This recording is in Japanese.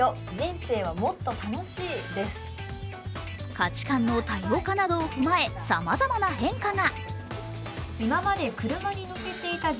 価値観の多様化などを踏まえさまざまな変化が。